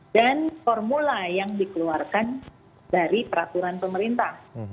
dan formula yang dikeluarkan dari peraturan pemerintah